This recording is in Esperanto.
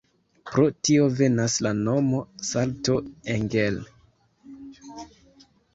Pro tio venas la nomo "Salto Angel".